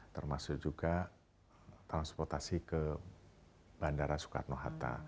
termasuk juga transportasi ke bandara soekarno hatta